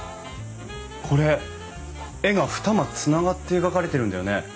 これ絵が二間つながって描かれてるんだよね。